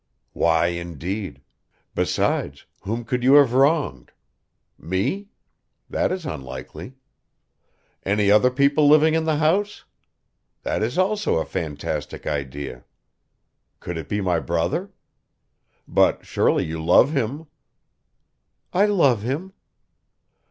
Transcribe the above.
"Why indeed. Besides, whom could you have wronged? Me? That is unlikely. Any other people living in the house? That is also a fantastic idea. Could it be my brother? But surely you love him?" "I love him."